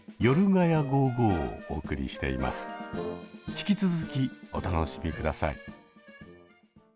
引き続きお楽しみください。